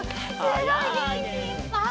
すごいげんきいっぱい！